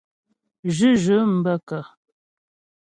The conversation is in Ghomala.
Zhʉ́zhʉ̂m bə́ kə́ ?